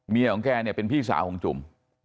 ของแกเนี่ยเป็นพี่สาวของจุ่ม